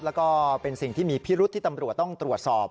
แล้วก็เป็นสิ่งที่มีพิรุษที่ตำรวจต้องตรวจสอบ